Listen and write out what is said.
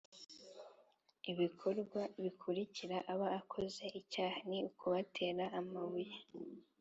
ibikorwa bikurikira aba akoze icyaha ni ukubatera amabuye